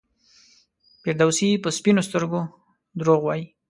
فردوسي په سپینو سترګو دروغ وایي.